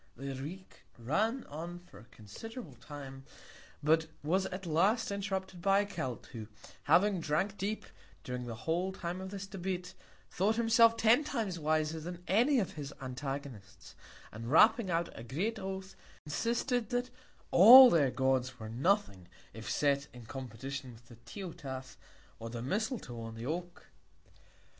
The Greek ran on for a considerable Time; but was at last interrupted by a Celt, who having drank deep, during the whole Time of this Debate, thought himself ten Times wiser than any of his Antagonists; and wrapping out a great Oath, insisted, that all their Gods were nothing, if set in Competition with the Teutath or the Misletoe on the Oak.